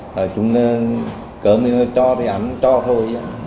thời chúng cơm thì nó cho thì anh cho thôi